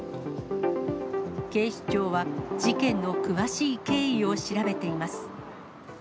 警視庁は、事件の詳しい経緯を調べています。